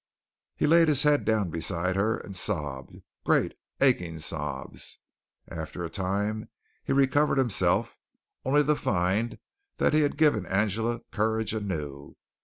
He laid his head down beside her and sobbed, great, aching sobs. After a time he recovered himself, only to find that he had given Angela courage anew.